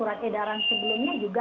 surat edaran sebelumnya juga